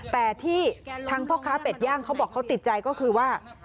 แต่ที่ทางพ่อค้าเป็ดย่างเขาบอกเขาติดใจก็คือว่า